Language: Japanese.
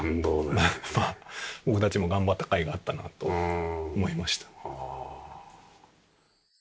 やっぱ僕たちも頑張ったかいがあったなと思いました。